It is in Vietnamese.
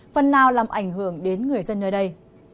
phần nào làm ảnh hưởng đến người dân nơi đây